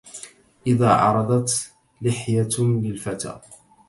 إذا عرضت لحية للفتى